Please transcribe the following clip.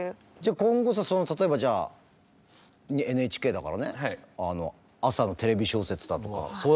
今後例えばじゃあＮＨＫだからね朝の「テレビ小説」だとかそういう話来たらどうする？